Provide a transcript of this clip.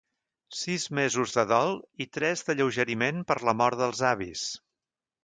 Sis mesos de dol i tres d'alleugeriment per la mort dels avis.